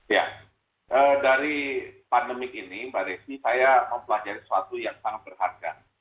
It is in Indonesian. ya dari pandemi ini mbak resmi saya mempelajari suatu yang sangat berharga